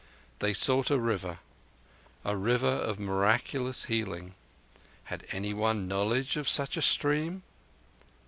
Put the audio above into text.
They sought a River: a River of miraculous healing. Had any one knowledge of such a stream?